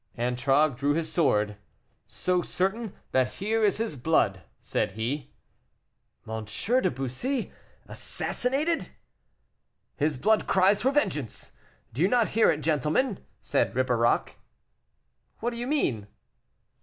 Antragues drew his sword. "So certain that here is his blood," said he. "M. de Bussy assassinated!" "His blood cries for vengeance! do you not hear it, gentlemen?" said Ribeirac. "What do you mean?"